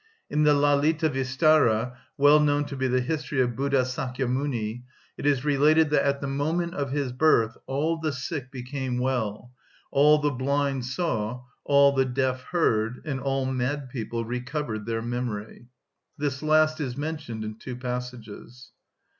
In the Lalita‐ vistara, well known to be the history of Buddha Sakya‐Muni, it is related that at the moment of his birth all the sick became well, all the blind saw, all the deaf heard, and all mad people "recovered their memory." This last is mentioned in two passages.